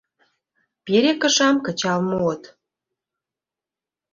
Пире кышам кычал муыт.